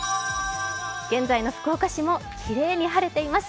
現在の福岡市もきれいに晴れています。